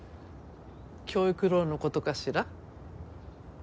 教育ローンのことかしら。